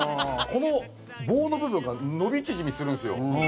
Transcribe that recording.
この棒の部分が伸び縮みするんですよ。